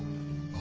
あ。